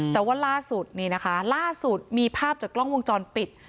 แต่ว่าล่าสุดนี่นะคะล่าสุดมีภาพจากกล้องวงจรปิด